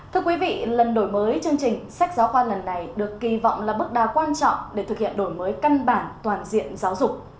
thưa quý vị lần đổi mới chương trình sách giáo khoa lần này được kỳ vọng là bước đa quan trọng để thực hiện đổi mới căn bản toàn diện giáo dục